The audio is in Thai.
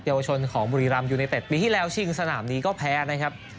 ยาวชนของบุรีรำยูไนเต็ดปีที่แล้วชิงสนามนี้ก็แพ้นะครับ